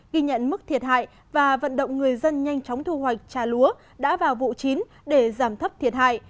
ghi nhận mức thiệt hại và vận động người dân nhanh chóng thu hoạch trà lúa đã vào vụ chín để giảm thấp thiệt hại